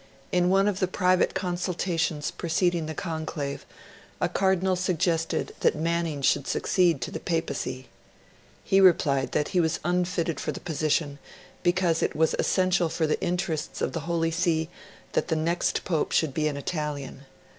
In one of the private consultations preceding the Conclave, a Cardinal suggested that Manning should succeed to the Papacy. He replied that he was unfit for the position, because it was essential for the interests of the Holy See that the next Pope should be an Italian.